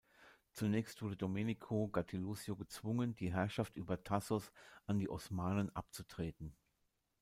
Zunächst wurde Domenico Gattilusio gezwungen, die Herrschaft über Thasos an die Osmanen abzutreten.